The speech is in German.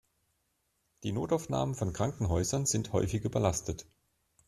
Die Notaufnahmen von Krankenhäusern sind häufig überlastet.